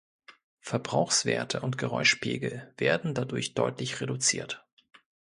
Verbrauchswerte und Geräuschpegel werden dadurch deutlich reduziert.